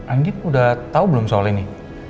andi udah tau belum soal ini